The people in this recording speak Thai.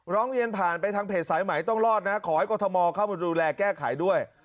ร้องเรียนผ่านไปทางเพจสายใหม่ต้องรอดนะขอให้กรทมเข้ามาดูแลแก้ไขด้วย